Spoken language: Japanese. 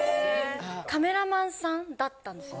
・カメラマンさんだったんですよ。